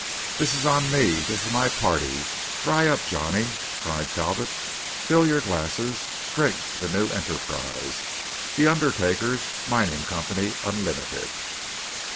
"This is on me! This is my party! Dry up, Johnny!" cried Talbot. "Fill your glasses. Drink to the new enterprise; the Undertakers' Mining Company, Unlimited."